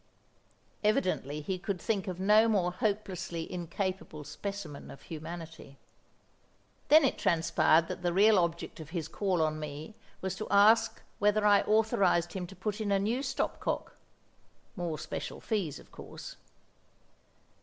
Evidently he could think of no more hopelessly incapable specimen of humanity. Then it transpired that the real object of his call on me was to ask whether I authorised him to put in a new stop cock (more special fees, of course).